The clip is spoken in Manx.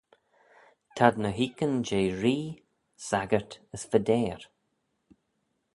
T'ad ny h-oikyn jeh ree, saggyrt as fadeyr.